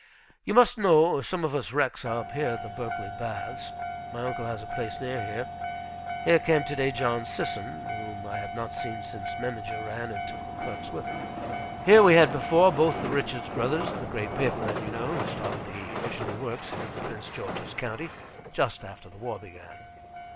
You must know, some of us wrecks are up here at the Berkeley baths. My uncle has a place near here. Here came to day John Sisson, whom I have not seen since Memminger ran and took the clerks with him. Here we had before, both the Richards brothers, the great paper men, you know, who started the Edgerly Works in Prince George's County, just after the war began.